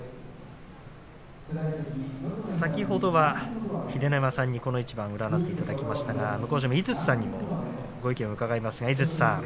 先ほどは秀ノ山さんにこの一番を占っていただきましたが向正面の井筒さんにもご意見を伺います。